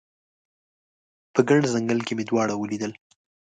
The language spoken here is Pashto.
په ګڼ ځنګل کې مې دواړه ولیدل